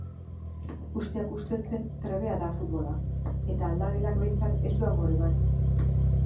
Usteak usteltzen trebea da futbola eta aldagelak behintzat ez du amore eman.